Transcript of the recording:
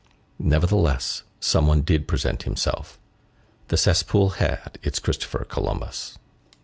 Nevertheless, some one did present himself. The cesspool had its Christopher Columbus.